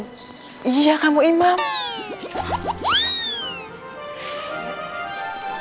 shobri tolong dipimpin kamu sebagai imam ya